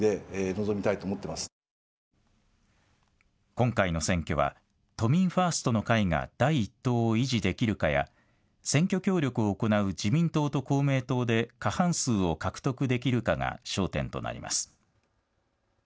今回の選挙は、都民ファーストの会が第一党を維持できるかや、選挙協力を行う自民党と公明党で過半数を獲得できるかが焦点となります。